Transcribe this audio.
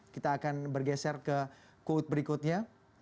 kita akan bergeser ke quote berikutnya